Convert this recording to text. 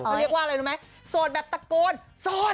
เขาเรียกว่าอะไรมั้ยสวดแบบตะโกนสวด